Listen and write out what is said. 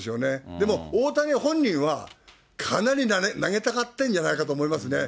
でも、大谷本人は、かなり投げたがってるんじゃないかと思いますね。